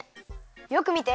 よくみて。